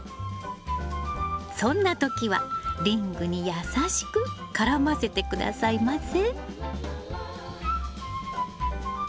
そんな時はリングに優しく絡ませて下さいませ。